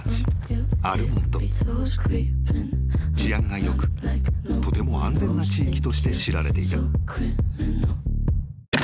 ［治安がよくとても安全な地域として知られていた］